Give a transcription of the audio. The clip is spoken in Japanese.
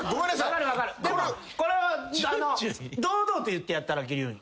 これは堂々と言ってやったら鬼龍院。